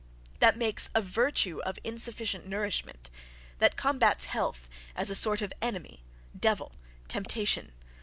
that makes a "virtue" of insufficient nourishment! that combats health as a sort of enemy, devil, temptation!